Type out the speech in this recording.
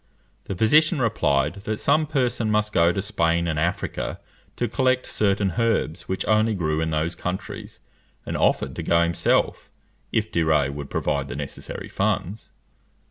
The physician replied, that some person must go to Spain and Africa to collect certain herbs which only grew in those countries, and offered to go himself, if De Rays would provide the necessary funds.